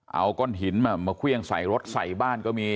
เอาก้อนหินมาเครื่องใส่รถใส่บ้านก็มี